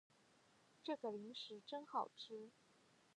这个零食真好吃